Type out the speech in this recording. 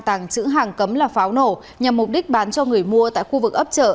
tàng trữ hàng cấm là pháo nổ nhằm mục đích bán cho người mua tại khu vực ấp trợ